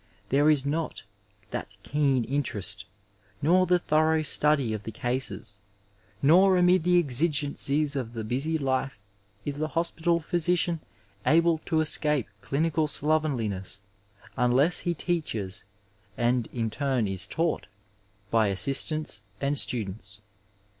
There is not that keen interest, nor the thorough study of the cases, nor amid the exigencies of the busy life is the hospital physician able to escape clinical slovenliness unless he teaches and in turn is taught by assistants and students.